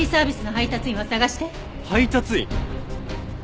配達員？